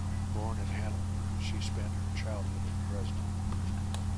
Born in Hanover, she spent her childhood in Dresden.